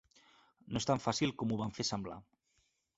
No és tan fàcil com ho van fer semblar.